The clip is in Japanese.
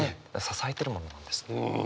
支えてるものなんです。